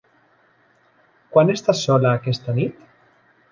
Quan estàs sola aquesta nit?